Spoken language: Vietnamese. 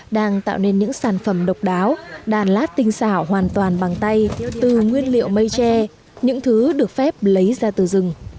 đang tạo nên những sản phẩm độc đáo đàn lát tinh xảo hoàn toàn bằng tay từ nguyên liệu mây tre những thứ được phép lấy ra từ rừng